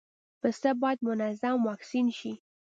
پسه باید منظم واکسین شي.